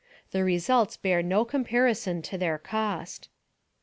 The results bear no comparison to their cost.